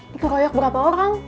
dikeroyok berapa orang